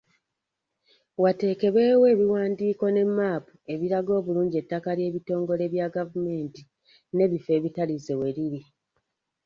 Wateekebwewo ebiwandiiko ne mmaapu ebiraga obulungi ettaka ly’ebitongole bya gavumenti n’ebifo ebitalize weriri.